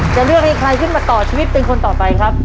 จะเลือกให้ใครขึ้นมาต่อชีวิตเป็นคนต่อไปครับ